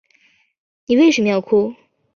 妳为什么要哭